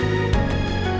ya hurufnya kalau ban